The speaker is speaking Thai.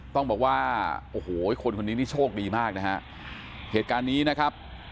ต้องบอกว่าโอ้โหคนคนนี้นี่โชคดีมากนะฮะเหตุการณ์นี้นะครับ